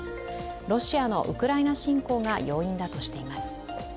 ロシアのウクライナ侵攻が要因だとしています。